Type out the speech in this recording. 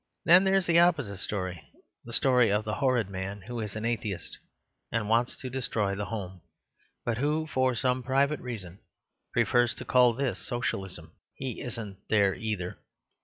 Then there is the opposite story; the story of the horrid man who is an atheist and wants to destroy the home, but who, for some private reason, prefers to call this Socialism. He isn't there either.